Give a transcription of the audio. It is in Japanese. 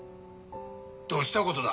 どしたことだ？